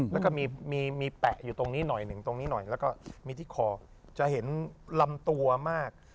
แล้วก็มีแปะอยู่ตรงนี้หน่อยหนึ่งตรงนี้หน่อยแล้วก็มีที่คอจะเห็นลำตัวมาก